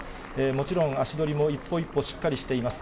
もちろん、足取りも一歩一歩しっかりしています。